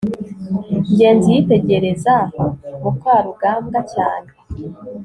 ngenzi yitegereza mukarugambwa cyane